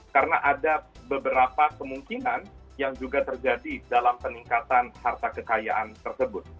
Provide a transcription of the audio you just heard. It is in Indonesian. karena ada beberapa kemungkinan yang juga terjadi dalam peningkatan harta kekayaan tersebut